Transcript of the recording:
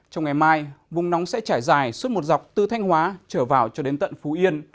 trong ngày mai vùng nóng sẽ trải dài suốt một dọc từ thanh hóa trở vào cho đến tận phú yên